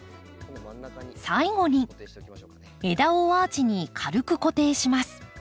最後に枝をアーチに軽く固定します。